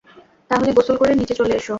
তাহলে গোসল করে নিচে চলে এসো।